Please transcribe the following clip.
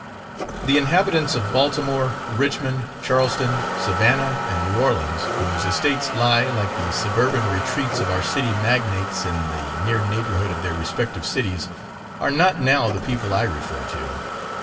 The inhabitants of Baltimore, Richmond, Charleston, Savannah, and New Orleans, whose estates lie like the suburban retreats of our city magnates in the near neighbourhood of their respective cities, are not now the people I refer to.